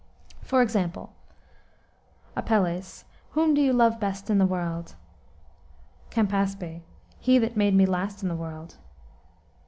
For example: "Apel. Whom do you love best in the world? "Camp. He that made me last in the world.